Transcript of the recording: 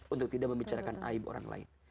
untuk tidak membicarakan aib orang lain